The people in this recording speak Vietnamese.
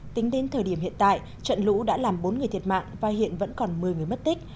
tính đến thời điểm hiện tại trận lũ đã làm bốn người thiệt mạng và hiện vẫn còn một mươi người mất tích